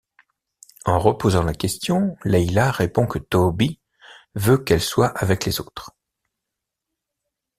En reposant la question, Leila répond que Toby veut qu’elle soit avec les autres.